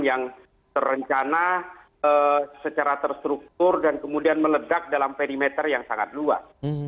yang terencana secara terstruktur dan kemudian meledak dalam perimeter yang sangat luas